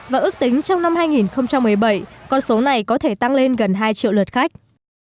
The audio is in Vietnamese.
và ước tính trong năm hai nghìn một mươi bảy con số này có thể tăng lên gần hai triệu lượt khách